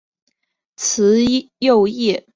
慈幼叶汉千禧小学校史